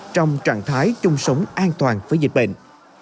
trong trạng thái chung sống an toàn với dịch bệnh